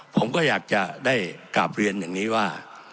ผมก็อยากจะได้กราบเรียนอย่างนี้ว่า